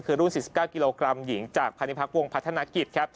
คือรุ่น๔๙กิโลกรัมหญิงจากพาณิพักษวงพัฒนกิจครับ